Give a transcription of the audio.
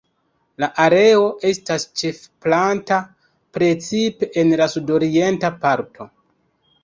La areo estas ĉefe plata, precipe en la sudorienta parto.